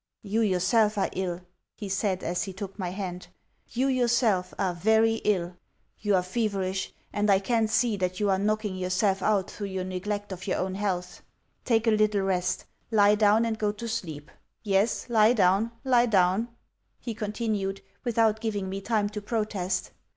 "You yourself are ill," he said as he took my hand. "You yourself are VERY ill. You are feverish, and I can see that you are knocking yourself out through your neglect of your own health. Take a little rest. Lie down and go to sleep. Yes, lie down, lie down," he continued without giving me time to protest.